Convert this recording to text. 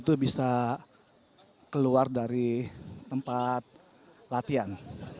itu bisa keluar dari tempat latihan